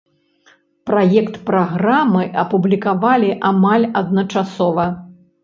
Праект праграмы апублікавалі амаль адначасова.